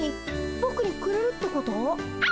ぼくにくれるってこと？